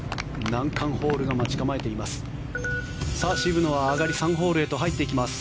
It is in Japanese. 難関ホールが待ち構えています。